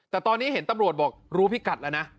แต่ตอนนี้เห็นตำรวจบอกรู้พิกัดแล้วนะ